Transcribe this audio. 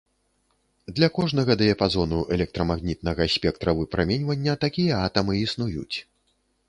Для кожнага дыяпазону электрамагнітнага спектра выпраменьвання такія атамы існуюць.